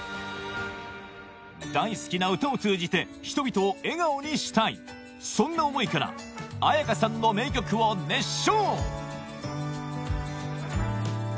大好きな歌を通じて人々を笑顔にしたいそんな思いから絢香さんの名曲を熱唱